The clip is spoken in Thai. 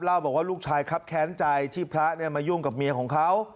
บอกว่าลูกชายครับแค้นใจที่พระมายุ่งกับเมียของเขา